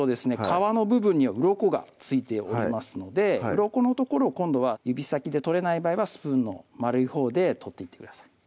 皮の部分にはうろこが付いておりますのでうろこの所を今度は指先で取れない場合はスプーンの丸いほうで取っていってください